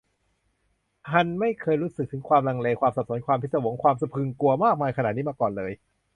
ฮันไม่เคยรู้สึกถึงความลังเล ความสับสน ความพิศวง ความสะพรึงกลัวมากมายขนาดนี้มาก่อนเลย